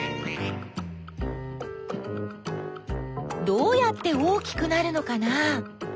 どうやって大きくなるのかな？